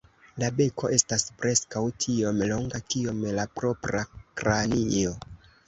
La beko estas preskaŭ tiom longa kiom la propra kranio.